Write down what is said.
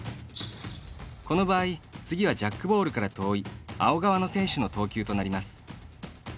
この場合、次はジャックボールから遠い青側の選手の投球となります。